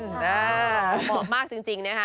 บอกมากจริงนะคะ